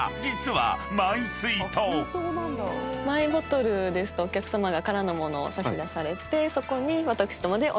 マイボトルですとお客さまが空の物を差し出されてそこに私どもで。